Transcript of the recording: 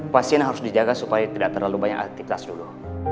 pasien harus dijaga supaya tidak terlalu banyak aktivitas dulu